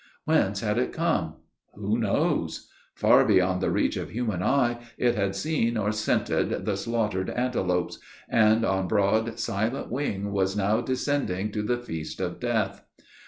Whence had it come? Who knows? Far beyond the reach of human eye, it had seen or scented the slaughtered antelopes; and, on broad, silent wing was now descending to the feast of death.